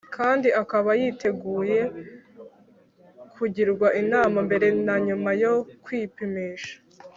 kandi akaba yiteguye kugirwa inama mbere na nyuma yo kwipimisha.